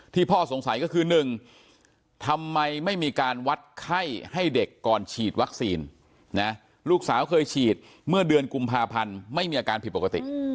พ่อสงสัยก็คือ๑ทำไมไม่มีการวัดไข้ให้เด็กก่อนฉีดวัคซีนนะลูกสาวเคยฉีดเมื่อเดือนกุมภาพันธ์ไม่มีอาการผิดปกติ